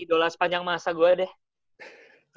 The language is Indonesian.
idola sepanjang masa gue deh